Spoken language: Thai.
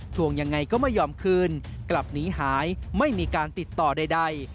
ทวงยังไงก็ไม่ยอมคืนกลับหนีหายไม่มีการติดต่อใด